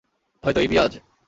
হয়তো, এই বিয়ে আজ।